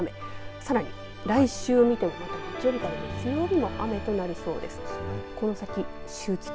さらに、来週を見てもらうと日曜日から月曜日も雨となりそうです。